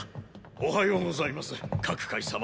おはようございます郭開様。